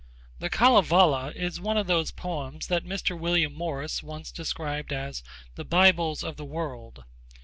The Kalevala is one of those poems that Mr. William Morris once described as 'The Bibles of the World.'